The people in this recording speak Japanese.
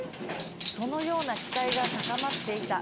そのような期待が高まっていた。